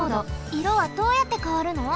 いろはどうやってかわるの？